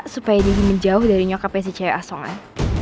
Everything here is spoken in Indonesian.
supaya diri menjauh dari nyokapnya si cewek asongan